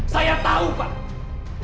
saya tahu pak